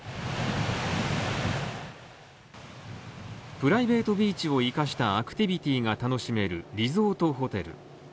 プライベートビーチを生かしたアクティビティが楽しめるリゾートホテル。